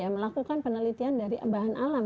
melakukan penelitian dari bahan alam